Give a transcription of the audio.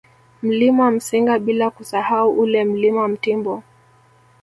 Mlima Msinga bila kusahau ule Mlima Mtimbo